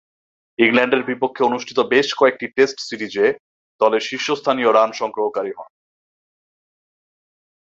ইংল্যান্ডের বিপক্ষে অনুষ্ঠিত বেশ কয়েকটি টেস্ট সিরিজে দলের শীর্ষস্থানীয় রান সংগ্রহকারী হন।